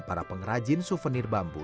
para pengrajin suvenir bambu